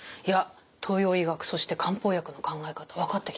東洋医学そして漢方薬の考え方分かってきましたね。